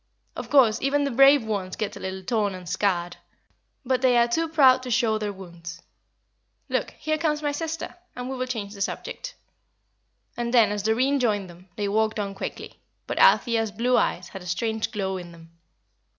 Of course, even the brave ones get a little torn and scarred, but they are too proud to show their wounds. Look, here comes my sister, and we will change the subject." And then, as Doreen joined them, they walked on quickly; but Althea's blue eyes had a strange glow in them.